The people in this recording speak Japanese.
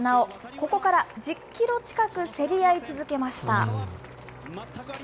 ここから１０キロ近く競り合い続けました。